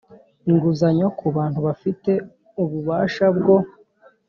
inguzanyo ku bantu bafite ububasha bwo